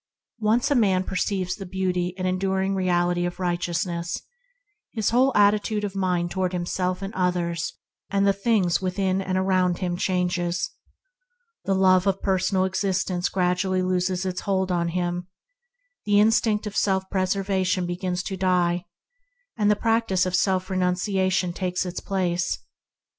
Once a man perceives the beauty and enduring reality of righteousness, his whole attitude of mind toward himself and others and the things within and around him changes. The love of personal existence gradually loses hold on him; the instinct of self preservation begins to fade, and the practice of self renunciation takes its place.